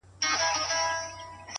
ستا هم د پزي په افسر كي جـادو؛